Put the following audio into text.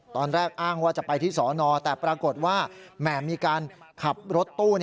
อ้างว่าจะไปที่สอนอแต่ปรากฏว่าแหม่มีการขับรถตู้